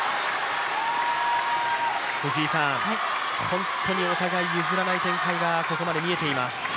本当にお互い譲らない展開がここまで見えています。